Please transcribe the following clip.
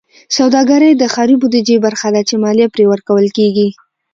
سوداګرۍ د ښاري بودیجې برخه ده چې مالیه پرې ورکول کېږي.